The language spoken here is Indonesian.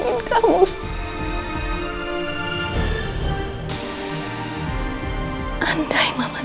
gimana kalau karyanya beliimir yang lain